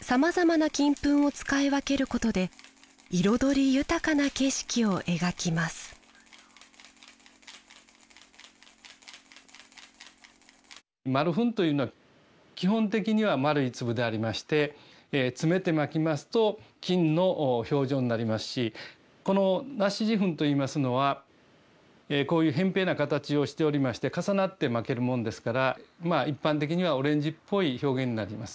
さまざまな金粉を使い分けることで彩り豊かな景色を描きます丸粉というのは基本的には丸い粒でありまして詰めて蒔きますと金の表情になりますしこの梨子地粉といいますのはこういうへん平な形をしておりまして重なって蒔けるもんですから一般的にはオレンジっぽい表現になります。